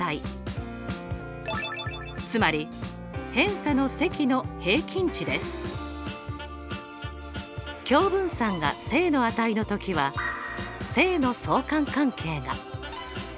つまり共分散が正の値の時は正の相関関係が。